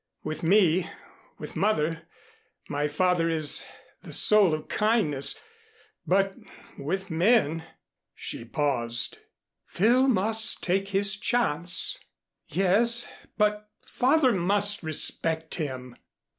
With me with mother, my father is the soul of kindness, but with men " She paused. "Phil must take his chance." "Yes, but father must respect him."